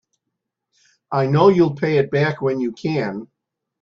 I know you'll pay it back when you can.